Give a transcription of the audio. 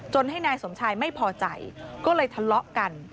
ให้นายสมชายไม่พอใจก็เลยทะเลาะกัน